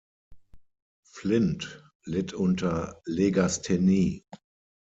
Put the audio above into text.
Flint litt unter Legasthenie.